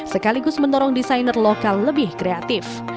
sekaligus mendorong desainer lokal lebih kreatif